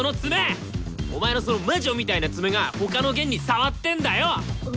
お前のその魔女みたいな爪が他の弦に触ってんだよ！